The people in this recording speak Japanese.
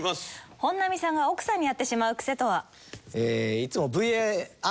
本並さんが奥さんにやってしまうクセとは？